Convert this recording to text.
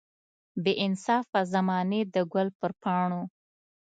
بې انصافه زمانې د ګل پر پاڼو.